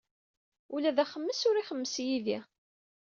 Ula d axemmes ur ixemmes yid-s.